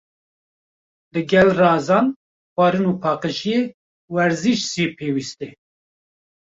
Li gel razan, xwarin û paqijiyê, werzîş jî pêwîst e.